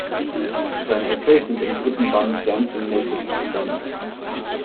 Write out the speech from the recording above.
Seine Essays sind im dritten Band "Dancing Naked" gesammelt.